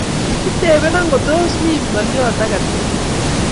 Kitepena ngo tos mi ngolio age tugul